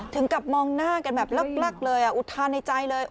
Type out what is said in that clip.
ถึงกับมองหน้ากันแบบเลิกเลยอุทานในใจเลย